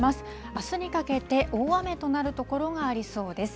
あすにかけて、大雨となる所がありそうです。